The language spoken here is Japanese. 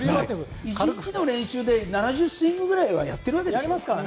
１日の練習で７０スイングくらいはやってるわけでしょ。